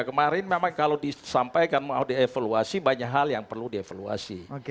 kemarin memang kalau disampaikan mau dievaluasi banyak hal yang perlu dievaluasi